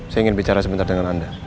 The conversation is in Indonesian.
saya ingin bicara sebentar dengan anda